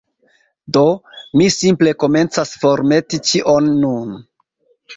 Do, mi simple komencas formeti ĉion nun